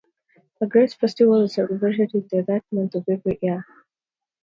A great festival is celebrated in the third month of every year.